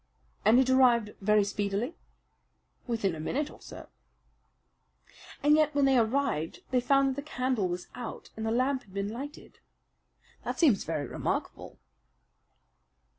"And it arrived very speedily?" "Within a minute or so." "And yet when they arrived they found that the candle was out and that the lamp had been lighted. That seems very remarkable."